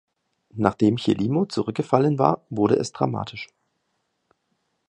Nachdem Chelimo zurückgefallen war, wurde es dramatisch.